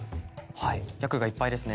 はい「約」がいっぱいですね。